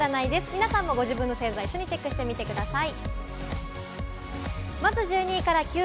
皆さんもご自身の星座をチェックしてみてください。